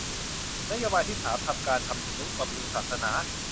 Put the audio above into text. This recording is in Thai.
นโยบายที่สามการทำนุบำรุงศาสนา